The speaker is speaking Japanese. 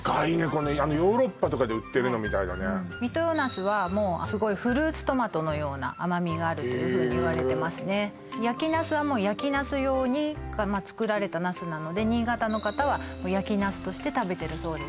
このあのヨーロッパとかで売ってるのみたいだね三豊ナスはもうすごいフルーツトマトのような甘味があるというふうにいわれてますねヤキナスはもう焼きナス用に作られたナスなので新潟の方は焼きナスとして食べてるそうです